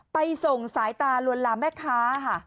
ไปส่งสายตาลวนลามแม่ค้าค่ะ